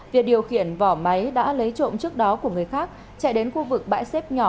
việc điều khiển vỏ máy đã lấy trộm trước đó của người khác chạy đến khu vực bãi xếp nhỏ